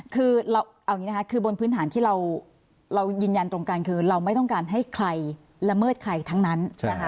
คือบนพื้นฐานที่เรายืนยันตรงกันคือเราไม่ต้องการให้ใครละเมิดใครทั้งนั้น